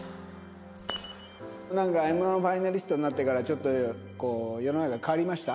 なんかＭ−１ファイナリストになってからちょっとこう世の中変わりました？